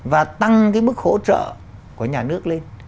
và tăng cái mức hỗ trợ của nhà nước lên